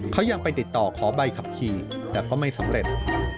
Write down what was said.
เขายังไปติดต่อขอใบขับขี่แต่ก็ไม่สำเร็จ